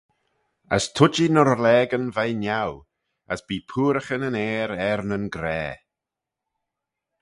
As tuittee ny rollageyn veih niau, as bee pooaraghyn yn aer er nyn graa.